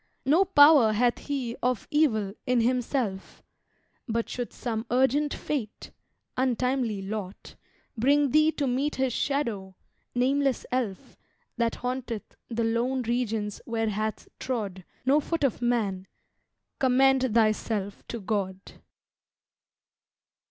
No power hath he of evil in himself; But should some urgent fate (untimely lot!) Bring thee to meet his shadow (nameless elf, That haunteth the lone regions where hath trod No foot of man), commend thyself to God!